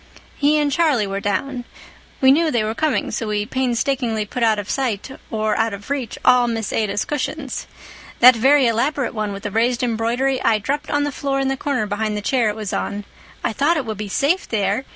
"He and Charlie were down. We knew they were coming, so we painstakingly put out of sight or out of reach all Miss Ada's cushions. That very elaborate one with the raised embroidery I dropped on the floor in the corner behind the chair it was on. I thought it would be safe there.